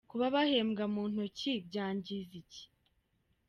Kuba bahembwa mu ntoki byangiza iki ?.